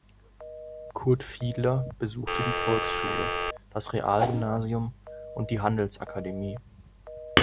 Kurt Fiedler besuchte die Volksschule, das Realgymnasium und die Handelsakademie.